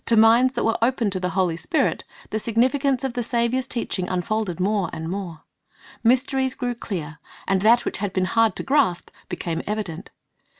To minds that were open to the Holy Spirit, the significance of the Saviour's teaching unfolded more and more. Mysteries grew clear, and that which had been hard to grasp became evident.